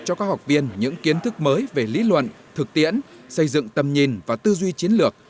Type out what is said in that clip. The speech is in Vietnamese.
cho các học viên những kiến thức mới về lý luận thực tiễn xây dựng tầm nhìn và tư duy chiến lược